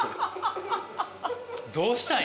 どうしたん？